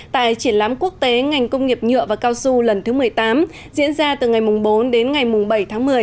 tại triển lãm quốc tế ngành công nghiệp nhựa và cao su lần thứ một mươi tám diễn ra từ ngày bốn đến ngày bảy tháng một mươi